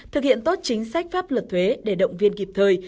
thực hiện tốt chính sách pháp luật thuế để động viên kịp thời